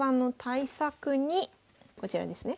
こちらですね。